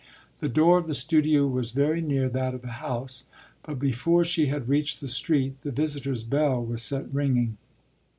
The door of the studio was very near that of the house, but before she had reached the street the visitors' bell was set ringing.